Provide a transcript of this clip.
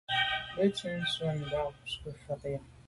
Benntùn be se’ ndù ba’ à kù fa.